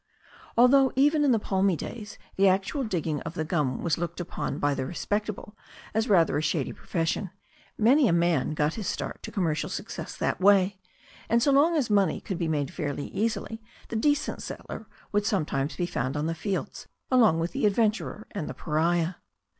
Although, even in the palmy days, the actual digging of the gum was looked upon by the respectable as rather a shady profession, many a man got his start to commercial success that way, and so long as money could be made fairly easily the decent settler would sometimes be found on the fields along with the adventurer and the pariah.